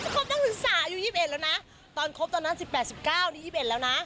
จะครบตั้งถึงสายู๒๑แล้วนะตอนครบตอนนั้น๑๘๑๙นี่๒๑แล้วนะ